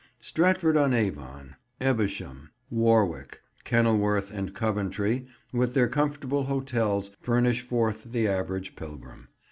Stratford on Avon, Evesham, Warwick, Kenilworth and Coventry, with their comfortable hotels, furnish forth the average pilgrim.